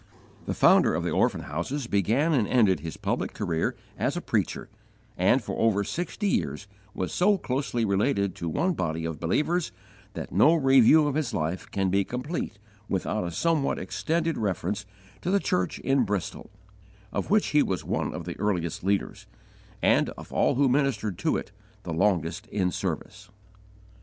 The founder of the orphan houses began and ended his public career as a preacher, and, for over sixty years, was so closely related to one body of believers that no review of his life can be complete without a somewhat extended reference to the church in Bristol of which he was one of the earliest leaders, and, of all who ministered to it, the longest in service.